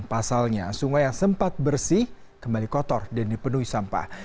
pasalnya sungai yang sempat bersih kembali kotor dan dipenuhi sampah